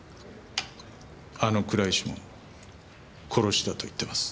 あの倉石も殺しだと言っています。